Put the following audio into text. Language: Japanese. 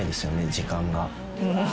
時間が。